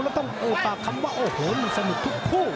แล้วต้องเอ่ยปากคำว่าโอ้โหมันสนุกทุกคู่